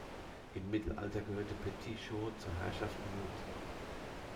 Im Mittelalter gehörte Petite-Chaux zur Herrschaft Mouthe.